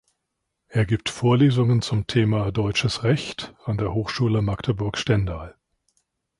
Er gibt Vorlesungen zum Thema „Deutsches Recht“ an der Hochschule Magdeburg-Stendal.